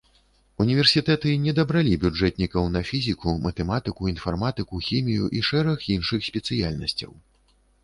Універсітэты недабралі бюджэтнікаў на фізіку, матэматыку, інфарматыку, хімію і шэраг іншых спецыяльнасцяў.